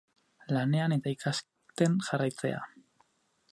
Lanean eta ikasten jarraitzea.